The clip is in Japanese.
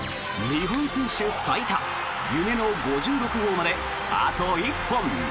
日本選手最多夢の５６号まであと１本。